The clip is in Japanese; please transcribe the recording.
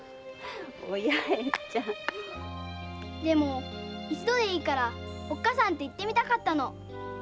でも一度でいいから“おっかさん”って言ってみたかったの。